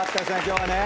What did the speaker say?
今日はね。